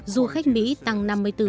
du khách mỹ tăng năm mươi bốn